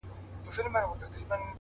• زما د فكر د ائينې شاعره ،